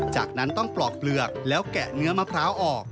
จากนั้นต้องปลอกเปลือกแล้วแกะเนื้อมะพร้าวออก